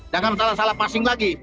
jangan salah salah passing lagi